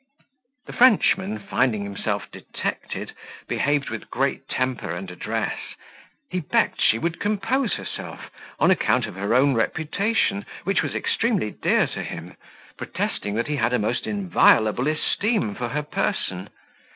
The Frenchman, finding himself detected, behaved with great temper and address: he begged she would compose herself, on account of her own reputation, which was extremely dear to him; protesting that he had a most inviolable esteem for her person.